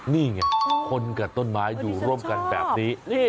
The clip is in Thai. นี่ไงคนกับต้นไม้อยู่ร่วมกันแบบนี้